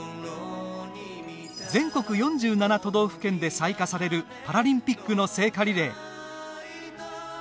全国４７都道府県で採火されるパラリンピックの聖火リレー。